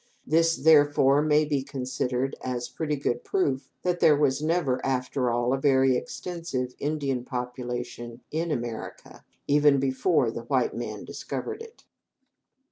This, therefore, may be considered as pretty good proof that there was never, after all, a very extensive Indian population in America, even before the white man discovered it.